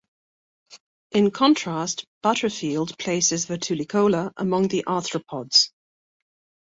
In contrast, Butterfield places "Vetulicola" among the arthropods.